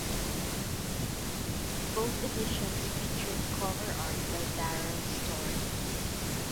Both editions featured cover art by Barron Storey.